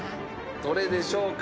どれでしょうか。